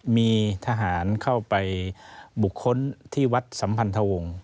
มีทหารเข้าไปบุคคลที่วัดสัมพันธวงศ์